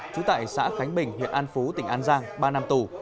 trú tại xã khánh bình huyện an phú tỉnh an giang ba năm tù